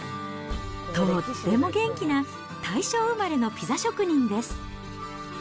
とっても元気な大正生まれのピザ職人です。